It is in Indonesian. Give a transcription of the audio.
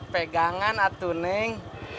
pegangan atu neng